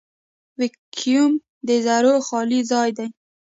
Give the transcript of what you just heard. ویکیوم د ذرّو خالي ځای دی.